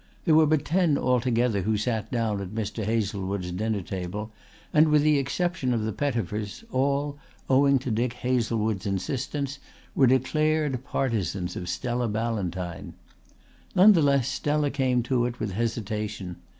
There were but ten altogether who sat down at Mr. Hazlewood's dinner table and with the exception of the Pettifers all, owing to Dick Hazlewood's insistence, were declared partisans of Stella Ballantyne. None the less Stella came to it with hesitation.